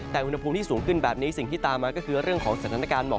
แต่อุณหภูมิที่สูงขึ้นแบบนี้สิ่งที่ตามมาก็คือเรื่องของสถานการณ์หมอก